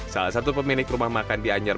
salah satu pemilik rumah makan di anyer